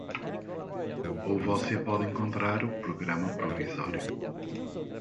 Ou você pode encontrar o programa provisório.